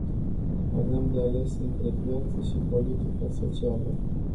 Avem de ales între piață și politica socială.